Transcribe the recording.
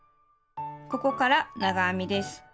ここから長編みです。